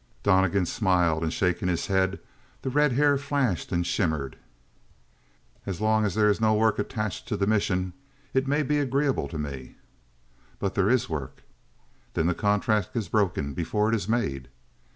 Donnegan smiled, and shaking his head, the red hair flashed and shimmered. "As long as there is no work attached to the mission, it may be agreeable to me." "But there is work." "Then the contract is broken before it is made."